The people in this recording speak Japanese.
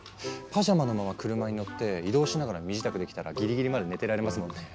パジャマのまま車に乗って移動しながら身支度できたらギリギリまで寝てられますもんね。